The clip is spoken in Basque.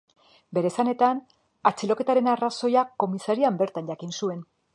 Bere esanetan, atxiloketaren arrazoia komisarian bertan jakin zuen.